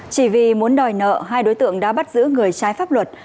chỉ vì muốn đòi nợ hai đối tượng đã bắt giữ người trái pháp luật